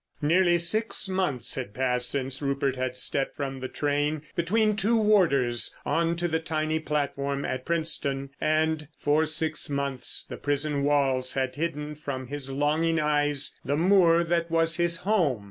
Nearly six months had passed since Rupert had stepped from the train between two warders on to the tiny platform at Princetown, and for six months the prison walls had hidden from his longing eyes the moor that was his home.